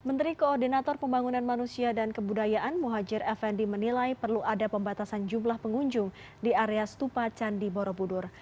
menteri koordinator pembangunan manusia dan kebudayaan muhajir effendi menilai perlu ada pembatasan jumlah pengunjung di area stupa candi borobudur